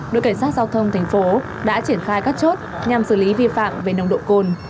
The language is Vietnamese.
đội cảnh sát giao thông thành phố đã triển khai các chốt nhằm xử lý vi phạm về nồng độ cồn